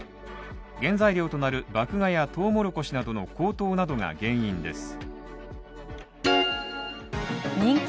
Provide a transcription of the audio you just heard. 原材料となる麦芽やとうもろこしなどの高騰などが原因です。